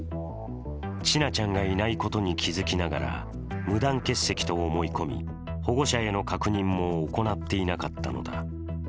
千奈ちゃんがいないことに気付きながら無断欠席と思い込み、保護者への確認も行っていなかったのだ。